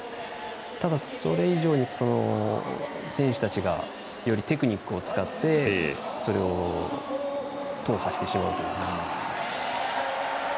ただ、それ以上に選手たちがよりテクニックを使ってそれを踏破してしまうというか。